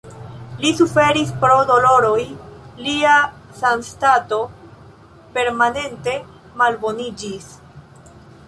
Li suferis pro doloroj, lia sanstato permanente malboniĝis.